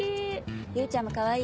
唯ちゃんもかわいいよ。